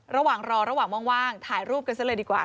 ระหว่างรอระหว่างว่างถ่ายรูปกันซะเลยดีกว่า